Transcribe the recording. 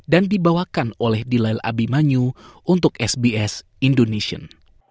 dan dibawakan oleh dilail abimanyu untuk sbs indonesian